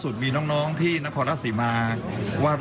อย่ารักมากครับ